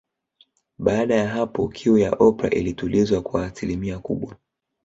Baada ya hapo kiu ya Oprah ilitulizwa kwa asilimia kubwa